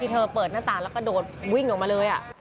เธอเปิดหน้าต่างแล้วกระโดดวิ่งออกมาเลย